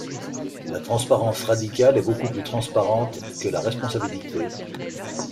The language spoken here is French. La transparence radicale est beaucoup plus transparente que la responsabilité.